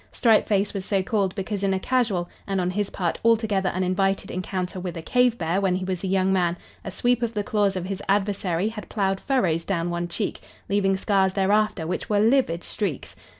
Stripe Face was so called because in a casual, and, on his part, altogether uninvited encounter with a cave bear when he was a young man, a sweep of the claws of his adversary had plowed furrows down one cheek, leaving scars thereafter which were livid streaks.